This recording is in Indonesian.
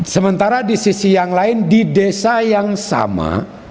sementara di sisi yang lain di desa yang sama